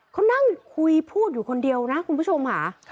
เขานั่งคุยพูดอยู่คนเดียวนะคุณผู้ชมค่ะ